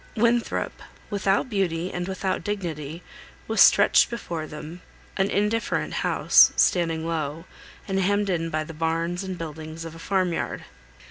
Winthrop, without beauty and without dignity, was stretched before them; an indifferent house, standing low, and hemmed in by the barns and buildings of a farm yard.